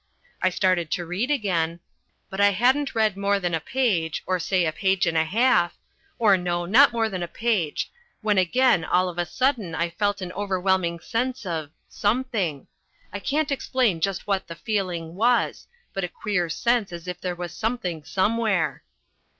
I started to read again, but I hadn't read more than a page, or say a page and a half or no, not more than a page, when again all of a sudden I felt an overwhelming sense of something. I can't explain just what the feeling was, but a queer sense as if there was something somewhere.